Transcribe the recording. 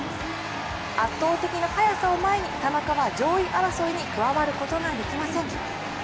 圧倒的な速さを前に田中は上位争いに加わることができません。